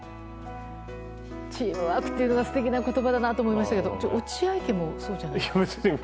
チームワークというのが素敵な言葉だなと思いましたけど落合家もそうじゃないですか？